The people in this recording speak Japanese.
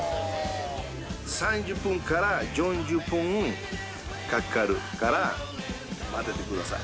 ３０分から４０分かかるから、待っててください。